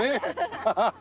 アハハハ。